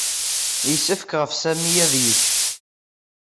Yessefk ɣef Sami ad yečč.